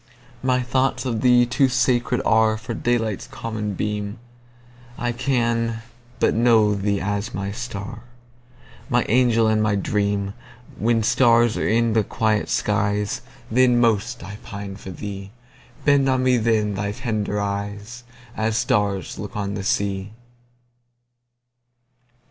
My thoughts of thee too sacred areFor daylight's common beam:I can but know thee as my star, My angel and my dream; When stars are in the quiet skies, Then most I pine for thee; Bend on me then thy tender eyes, As stars look on the sea!